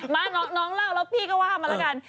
น้องเล่าแล้วพี่ก็ว่ามาแล้วกัน